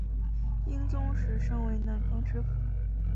英宗时升为南康知府。